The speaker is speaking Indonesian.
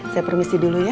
saya permisi dulu ya